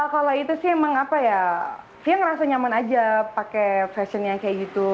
kalau itu sih emang apa ya fia ngerasa nyaman aja pakai fashion yang kayak gitu